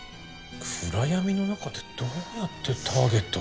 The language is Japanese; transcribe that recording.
暗闇の中でどうやってターゲットを。